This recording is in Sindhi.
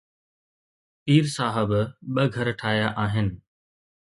پير صاحب ٻه گهر ٺاهيا آهن.